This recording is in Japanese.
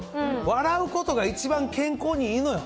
笑うことが一番健康にいいのよ。